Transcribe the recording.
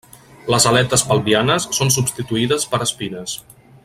Les aletes pelvianes són substituïdes per espines.